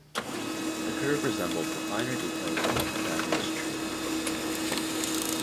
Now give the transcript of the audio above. The curve resembles the finer details of the Pythagoras tree.